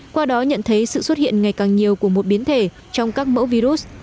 qua đó nhận thấy sự xuất hiện ngày càng nhiều của một biến thể trong các mẫu virus